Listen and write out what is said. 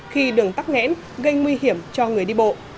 khi đường tắc nghẽn gây nguy hiểm cho người đi bộ